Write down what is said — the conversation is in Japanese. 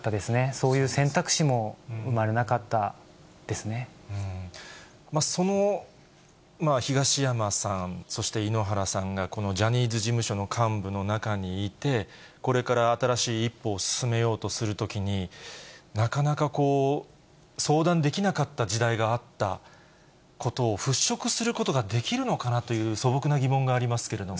そういう選択肢も生まれなかったその東山さん、そして井ノ原さんがこのジャニーズ事務所の幹部の中にいて、これから新しい一歩を進めようとするときに、なかなか相談できなかった時代があったことを払拭することができるのかなという素朴な疑問がありますけれども。